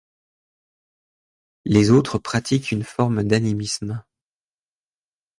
Les autres pratiquent une forme d'animisme.